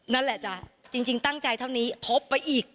นั่นแหละจ้ะจริงตั้งใจเท่านี้ทบไปอีก